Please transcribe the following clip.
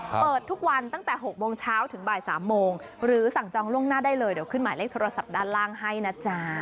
เปิดทุกวันตั้งแต่๖โมงเช้าถึงบ่าย๓โมงหรือสั่งจองล่วงหน้าได้เลยเดี๋ยวขึ้นหมายเลขโทรศัพท์ด้านล่างให้นะจ๊ะ